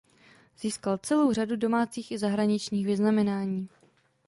Získal celou řadu domácích i zahraničních vyznamenání.